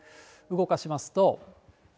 動かしますと。